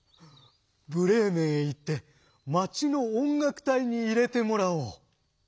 ブレーメンへいってまちのおんがくたいにいれてもらおう」。